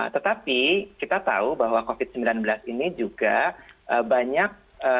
tetapi kita tahu bahwa covid sembilan belas ini juga banyak